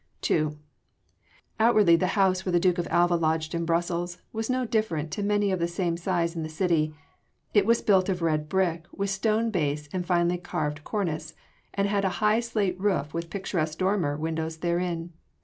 II Outwardly the house where the Duke of Alva lodged in Brussels was not different to many of the same size in the city. It was built of red brick with stone base and finely carved cornice, and had a high slate roof with picturesque dormer windows therein.